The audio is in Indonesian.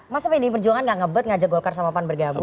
masa pdi perjuangan gak ngebet ngajak golkar sama pan bergabung